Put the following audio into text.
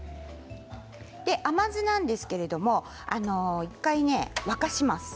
甘酢なんですけれど１回沸かします。